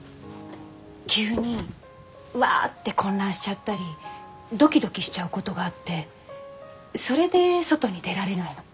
急にワッて混乱しちゃったりドキドキしちゃうことがあってそれで外に出られないの。